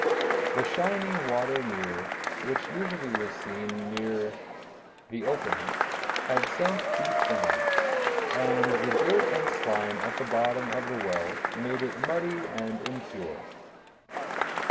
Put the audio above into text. The shining water mirror, which usually was seen very near the opening, had sunk deep down, and the dirt and slime at the bottom of the well made it muddy and impure.